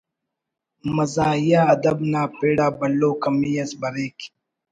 مزاحیہ ادب نا پِڑ آبھلو کمی اس بریک